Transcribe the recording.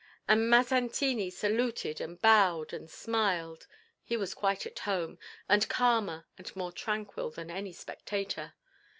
And Mazzantini saluted and bowed and smiled. He was quite at home, and calmer and more tranquil than any spectator.